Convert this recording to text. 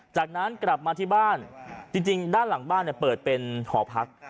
จากนั้นกลับมาที่บ้านจริงด้านหลังบ้านเปิดเป็นหอพัก